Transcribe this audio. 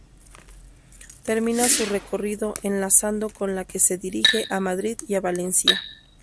Termina su recorrido enlazando con la que se dirige a Madrid y a Valencia.